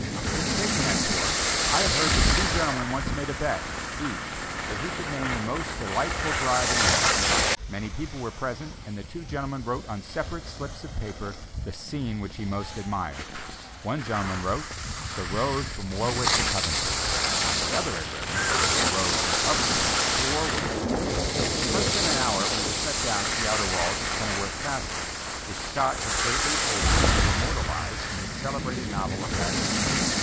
Since taking that tour, I have heard that two gentlemen once made a bet, each, that he could name the most delightful drive in England. Many persons were present, and the two gentlemen wrote on separate slips of paper the scene which he most admired. One gentleman wrote, "The road from Warwick to Coventry;" the other had written, "The road from Coventry to Warwick." In less than an hour we were set down at the outer walls of Kenilworth Castle, which Scott has greatly aided to immortalize in his celebrated novel of that name.